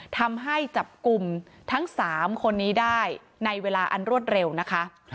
ทำให้จับกลุ่มทั้ง๓คนนี้ได้ในเวลาอันรวดเร็วนะคะ